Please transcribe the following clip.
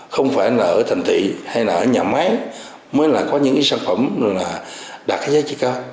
không phải là ở thành thị hay là ở nhà máy mới là có những sản phẩm đạt giá trị cao